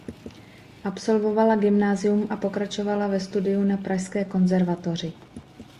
Absolvovala gymnázium a pokračovala ve studiu na Pražské konzervatoři.